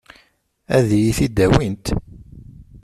Ad iyi-t-id-awint?